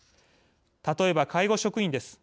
例えば介護職員です。